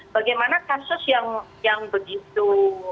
bagaimana kasus yang begitu